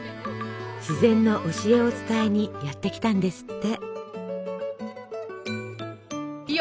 自然の教えを伝えにやって来たんですって！